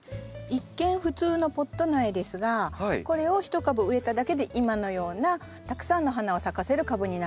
一見普通のポット苗ですがこれを１株植えただけで今のようなたくさんの花を咲かせる株になるんです。